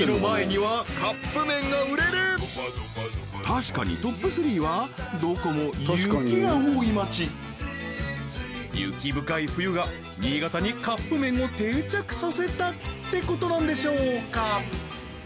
確かにトップ３はどこも雪が多い街雪深い冬が新潟にカップ麺を定着させたってことなんでしょうか